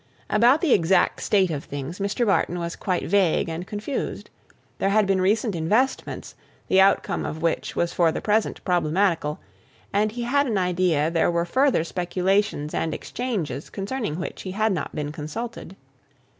About the exact state of things Mr. Barton was quite vague and confused. There had been recent investments, the outcome of which was for the present problematical, and he had an idea there were further speculations and exchanges concerning which he had not been consulted.